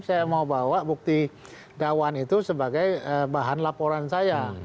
saya mau bawa bukti dawan itu sebagai bahan laporan saya